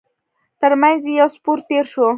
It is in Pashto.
تر مينځ يې يو سپور تېر شو.